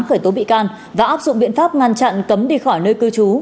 khởi tố bị can và áp dụng biện pháp ngăn chặn cấm đi khỏi nơi cư trú